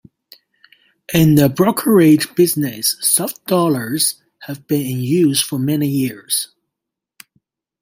In the brokerage business, soft dollars have been in use for many years.